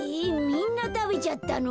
みんなたべちゃったの？